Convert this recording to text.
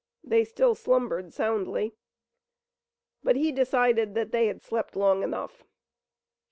They still slumbered soundly, but he decided that they had slept long enough.